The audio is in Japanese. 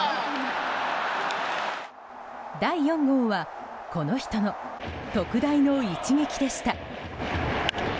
第４号は、この人の特大の一撃でした。